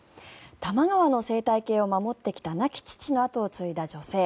多摩川の生態系を守ってきた亡き父の後を継いだ女性。